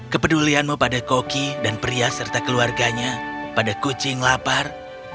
kepedulianmu pada koki dan pria serta keluarganya pada kucing lapar